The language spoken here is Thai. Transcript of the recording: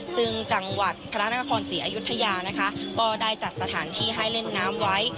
ซึ่งจังหวัดพระนครศรีอยุธยานะคะก็ได้จัดสถานที่ให้เล่นน้ำไว้